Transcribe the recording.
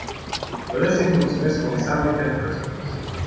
Doresc să îi mulțumesc comisarului pentru răspuns.